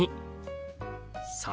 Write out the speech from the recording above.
「３」。